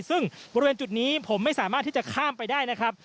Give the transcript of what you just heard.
ซึ่งบริเวณจุดนี้ผมไม่สามารถที่จะข้ามไปได้นะครับ